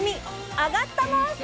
あがったもんせ！